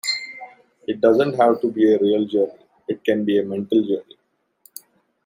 It doesn't have to be a real journey, it can be a mental journey.